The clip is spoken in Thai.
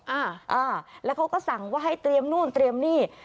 อ่าอ่าแล้วเขาก็สั่งว่าให้เตรียมนู่นเตรียมนี่